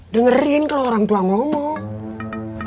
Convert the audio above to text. dengerin kalau orang tua ngomong